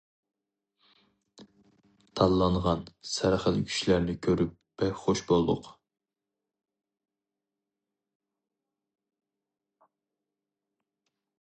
تاللانغان، سەرخىل كۈچلەرنى كۆرۈپ بەك خۇش بولدۇق.